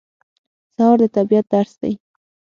سهار د طبیعت درس دی.